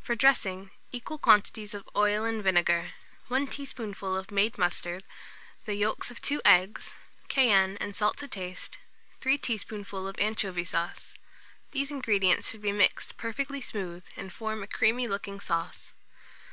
For dressing, equal quantities of oil and vinegar, 1 teaspoonful of made mustard, the yolks of 2 eggs; cayenne and salt to taste; 3 teaspoonful of anchovy sauce. These ingredients should be mixed perfectly smooth, and form a creamy looking sauce.